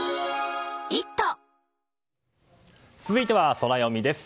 続いては、ソラよみです。